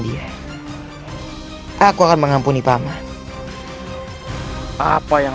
kau sudah menguasai ilmu karang